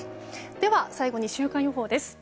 では、最後に週間予報です。